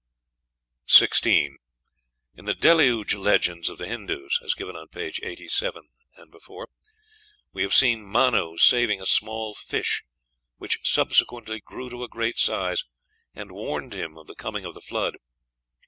16. In the Deluge legends of the Hindoos (as given on page 87 ante), we have seen Mann saving a small fish, which subsequently grew to a great size, and warned him of the coming of the Flood.